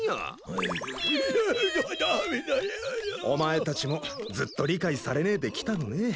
お前たちもずっと理解されねえできたのね。